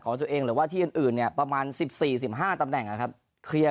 ของตัวเองหรือว่าที่อื่นเนี่ยประมาณ๑๔๑๕ตำแหน่งนะครับเคลียร์